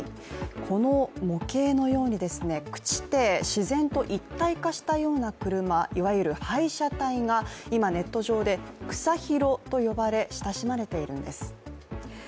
この模型のように、朽ちて自然と一体化したような車、いわゆる廃車体が今、ネット上で草ヒロと呼ばれ親しまれているんです。